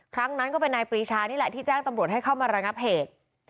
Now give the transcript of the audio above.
ครั้งนั้นก็เป็นนายปรีชานี่แหละที่แจ้งตำรวจให้เข้ามาระงับเหตุ